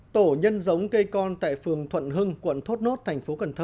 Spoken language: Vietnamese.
tổ nhân giống cây con tại phường thuận hưng quận thốt nốt tp cn